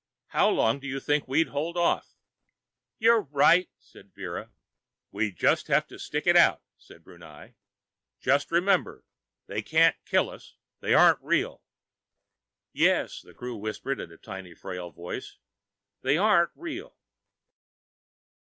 How long do you think we'd hold off?" "You're right," said Vera. "We just have to stick it out," said Brunei. "Just remember: They can't kill us. They aren't real." "Yes," the crew whispered in a tiny, frail voice, "they aren't real...."